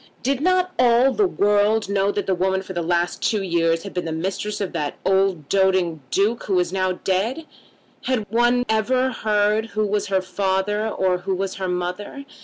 Did not all the world know that the woman for the last two years had been the mistress of that old doting Duke who was now dead? Had one ever heard who was her father or who was her mother?